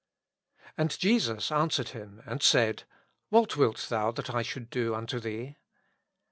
And Jesus answered him, and said, What tvilt thou that 2 should do unto thee